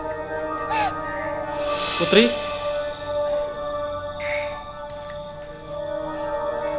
mereka kurang sepertiku kristian